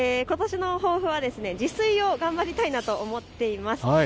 ことしの抱負は自炊を頑張りたいなと思っています。